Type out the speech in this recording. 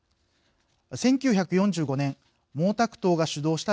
１９４５年毛沢東が主導した